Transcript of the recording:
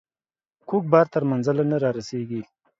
کوږ بار تر منزله نه رارسيږي.